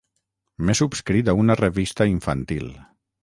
M'he subscrit a una revista infantil.